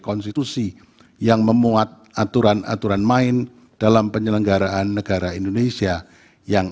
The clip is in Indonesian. konstitusi yang memuat aturan aturan main dalam penyelenggaraan negara indonesia yang